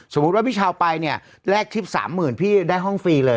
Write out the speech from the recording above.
สมมุติว่าพี่ชาวไปเนี่ยแรกทริป๓๐๐๐พี่ได้ห้องฟรีเลย